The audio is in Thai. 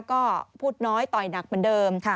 ก็พูดน้อยต่อยหนักเหมือนเดิม